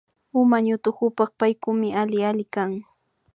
Uma ñutukupa Paykukmi alli alli kan